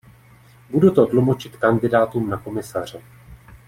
Budu to tlumočit kandidátům na komisaře.